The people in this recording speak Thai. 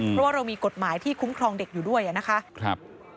เพราะว่าเรามีกฎหมายที่คุ้มครองเด็กอยู่ด้วยนะคะ